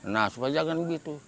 nah supaya jangan begitu